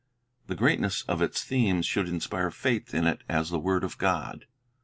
The greatness of its themes should inspire faith in it as the word of God.